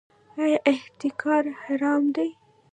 آیا احتکار حرام دی؟